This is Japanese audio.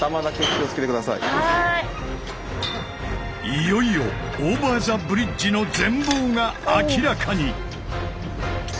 いよいよオーバー・ザ・ブリッジの全貌が明らかに！